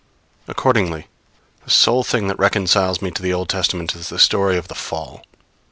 Accordingly, the sole thing that reconciles me to the Old Testament is the story of the Fall.